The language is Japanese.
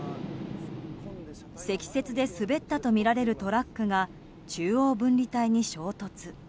積雪で滑ったとみられるトラックが中央分離帯に衝突。